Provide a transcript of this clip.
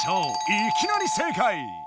いきなり正解！